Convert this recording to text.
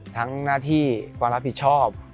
หน้าที่ความรับผิดชอบ